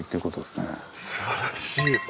すばらしい！